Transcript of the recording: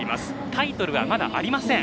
タイトルがまだありません。